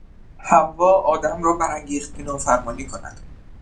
حوا آدم را برانگیخت که نافرمانی کند.